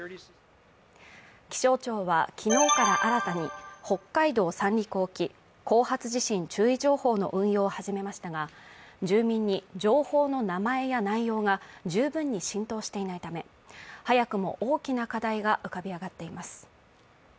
気象庁は昨日から新たに、北海道・三陸沖後発地震注意情報の運用を始めましたが、住民に情報の名前や内容が十分に浸透していないため早くも大きな課題が浮かび上がっています。